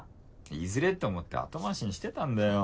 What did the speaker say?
いずれって思って後回しにしてたんだよ。